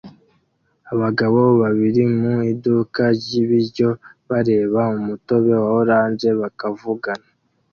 Abagabo babiri mu iduka ryibiryo bareba umutobe wa orange bakavugana